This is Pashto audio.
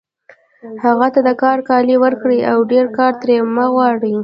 هغه ته د کار کالي ورکړئ او ډېر کار ترې مه غواړئ